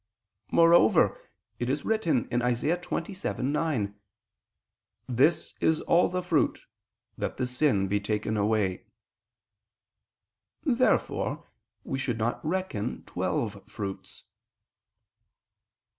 Moreover it is written (Isa. 27:9): "This is all the fruit ... that the sin ... be taken away." Therefore we should not reckon twelve fruits.